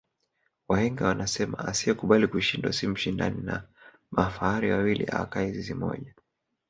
wahenga wanasema asiyekubali kushindwa si mshindani na mafahari wawili awakai zizi moja